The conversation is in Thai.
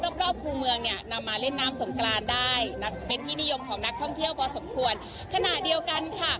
รอบรอบคู่เมืองเนี่ยนำมาเล่นน้ำสงกรานได้เป็นที่นิยมของนักท่องเที่ยวพอสมควรขณะเดียวกันค่ะ